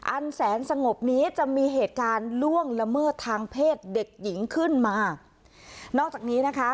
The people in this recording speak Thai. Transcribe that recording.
อันแสนสงบนี้จะมีเหตุการณ์ล่วงละเมิดทางเพศเด็กหญิงขึ้นมานอกจากนี้นะคะ